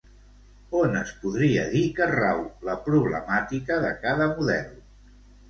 On es podria dir que rau la problemàtica de cada model?